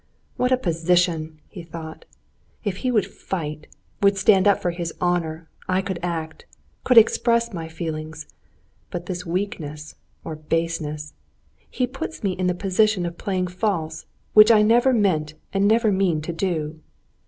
"What a position!" he thought. "If he would fight, would stand up for his honor, I could act, could express my feelings; but this weakness or baseness.... He puts me in the position of playing false, which I never meant and never mean to do."